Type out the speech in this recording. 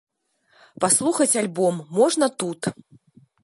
Паслухаць альбом можна тут.